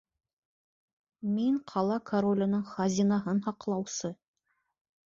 Мин — ҡала короленең хазинаһын һаҡлаусы!